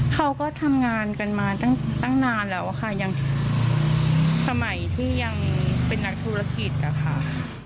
เขาก็ทำงานกันมาตั้งนานแล้วค่ะยังสมัยที่ยังเป็นนักธุรกิจอะค่ะ